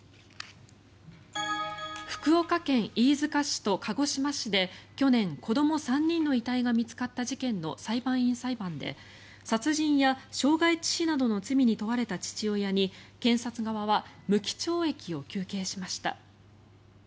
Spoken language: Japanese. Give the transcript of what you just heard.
福岡県飯塚市と鹿児島市で去年子ども３人の遺体が見つかった事件の裁判員裁判で殺人や傷害致死などの罪に問われた父親に検察側は無期懲役を求刑しました。